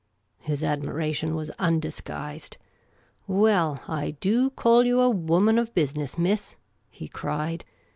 His admiration was undisguised. " Well, I do call you a woman of bu.siness, mi.ss," he cried.